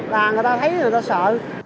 là người ta thấy người ta sợ